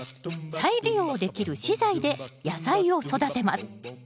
再利用できる資材で野菜を育てます。